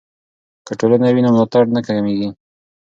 که ټولنه وي نو ملاتړ نه کمیږي.